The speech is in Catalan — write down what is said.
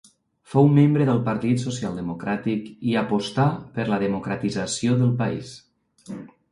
Fou membre del Partit Social Democràtic i apostà per la democratització del país.